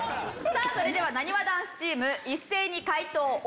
さあそれではなにわ男子チーム一斉に解答オープン！